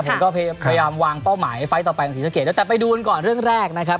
ผมก็พยายามวางเป้าหมายไฟล์ต่อไปของศรีสะเกดด้วยแต่ไปดูกันก่อนเรื่องแรกนะครับ